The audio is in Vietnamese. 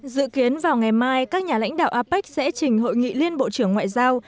dự kiến vào ngày mai các nhà lãnh đạo apec sẽ trình hội nghị liên bộ trưởng ngoại giao